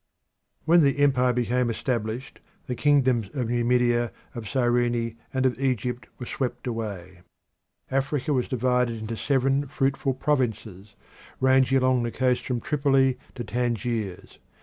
When the empire became established the kingdoms of Numidia, of Cyrene, and of Egypt were swept away. Africa was divided into seven fruitful provinces ranging along the coast from Tripoli to Tangiers.